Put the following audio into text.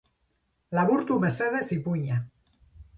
Laburtu mesedez ipuina.